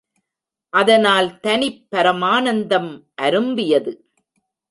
அதனால் தனிப் பரமானந்தம் அரும்பியது.